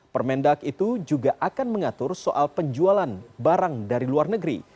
permendak itu juga akan mengatur soal penjualan barang dari luar negeri